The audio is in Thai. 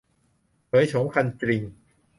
เผยโฉมคันจริง